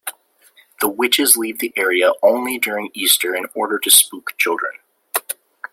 The witches leave the area only during Easter in order to spook children.